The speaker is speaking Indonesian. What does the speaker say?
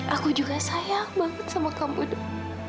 aku juga sayang banget sama kamu dok